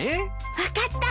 分かったわ。